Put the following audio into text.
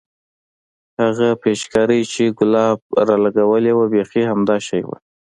هغه پيچکارۍ چې ګلاب رالګولې وه بيخي همدا شى وه.